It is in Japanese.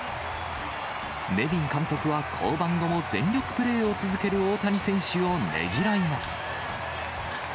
ネビン監督は降板後も全力プレーを続ける大谷選手をねぎらいます。